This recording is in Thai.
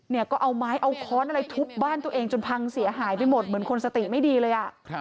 เนี่ยก็เอาไม้เอาค้อนอะไรทุบบ้านตัวเองจนพังเสียหายไปหมดเหมือนคนสติไม่ดีเลย